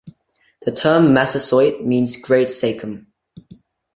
The term "Massasoit" means "Great Sachem".